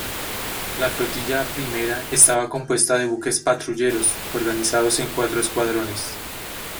La Flotilla I estaba compuesta de buques patrulleros, organizados en cuatro escuadrones.